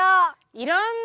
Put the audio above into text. いろんな。